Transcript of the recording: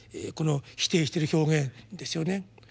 この否定してる表現ですよね。